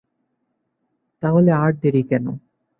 তা হলে আর দেরি কেন।